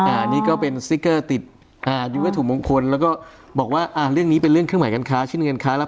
อันนี้ก็เป็นสติกเกอร์ติดอยู่ว่าถูกมงคลแล้วก็บอกว่าเรื่องนี้เป็นเรื่องเครื่องหมายการค้าชื่นเงินการค้า